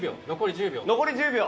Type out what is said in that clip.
１０秒残り１０秒。